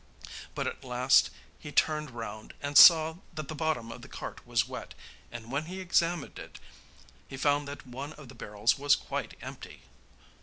But at last he turned round and saw that the bottom of the cart was wet, and when he examined it, he found that one of the barrels was quite empty.